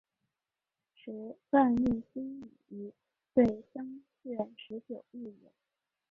时万历辛己岁正月十九日也。